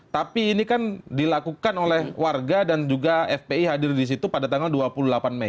tapi ini kan dilakukan oleh warga dan juga fpi hadir di situ pada tanggal dua puluh delapan mei